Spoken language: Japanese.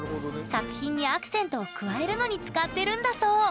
作品にアクセントを加えるのに使ってるんだそう。